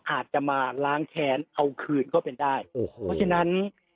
อาจจะมาล้างแค้นเอาคืนก็เป็นได้โอ้โหเพราะฉะนั้น